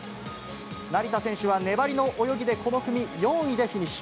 成田選手は粘りの泳ぎで、この組４位でフィニッシュ。